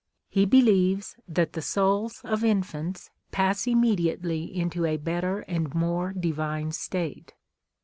He believes " that the souls of infants pass immediately into a better and more divine state."